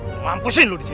gue mampusin lu disini